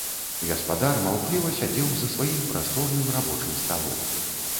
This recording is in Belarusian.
Гаспадар маўкліва сядзеў за сваім прасторным рабочым сталом.